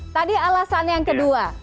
tadi alasan yang kedua